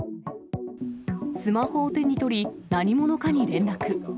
スマホを手に取り、何者かに連絡。